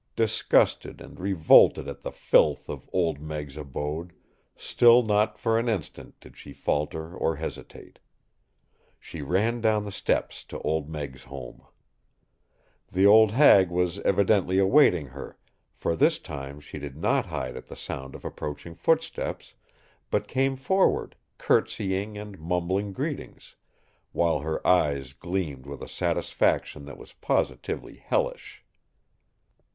Disgusted and revolted at the filth of Old Meg's abode, still not for an instant did she falter or hesitate. She ran down the steps to Old Meg's home. The old hag was evidently awaiting her, for this time she did not hide at the sound of approaching footsteps, but came forward, courtesying and mumbling greetings, while her eyes gleamed with a satisfaction that was positively hellish.